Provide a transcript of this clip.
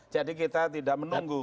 jadi kita tidak menunggu